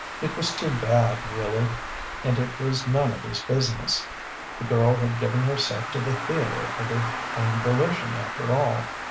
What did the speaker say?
It was too bad, really. And it was none of his business. The girl had given herself to the theatre of her own volition, after all.